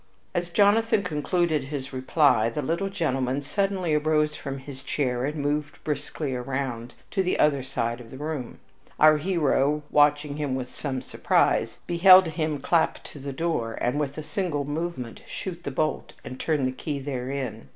As Jonathan concluded his reply the little gentleman suddenly arose from his chair and moved briskly around to the other side of the room. Our hero, watching him with some surprise, beheld him clap to the door and with a single movement shoot the bolt and turn the key therein.